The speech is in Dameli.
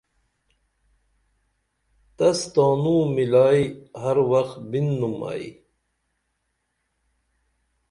تس تانوں مِلائی ہر وخ بِننُم ائی